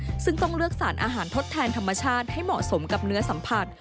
น้อยกว่าร้อยละ๕ซึ่งต้องเลือกสารอาหารทดแทนธรรมชาติให้เหมาะสมกับเนื้อสัมผัส